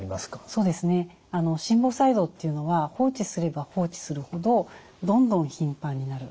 そうですね心房細動っていうのは放置すれば放置するほどどんどん頻繁になる。